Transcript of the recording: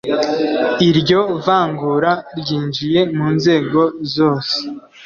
iryo vangura! ryinjiye mu nzego zose